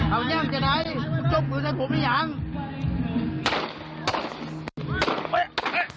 เอาอย่างจะได้ถ้าคุณจบมือเธอถูกไม่อยาก